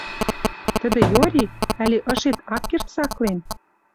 Тидӹ йори? Ӓли ышет ак керд цаклен?